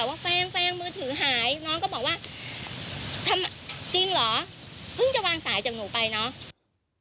ว่าแฟนแฟนมือถือหายน้องก็บอกว่าจริงเหรอเพิ่งจะวางสายจากหนูไปเนาะ